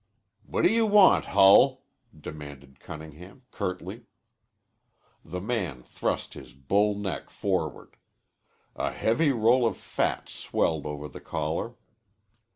"What you want, Hull?" demanded Cunningham curtly. The man thrust his bull neck forward. A heavy roll of fat swelled over the collar.